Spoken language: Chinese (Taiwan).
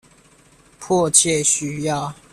迫切需要